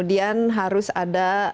dan harus ada